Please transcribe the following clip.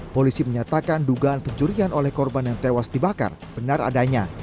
polisi menyatakan dugaan pencurian oleh korban yang tewas dibakar benar adanya